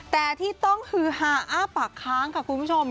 แต่ที่ต้องฮือฮาอ้าปากค้างค่ะคุณผู้ชม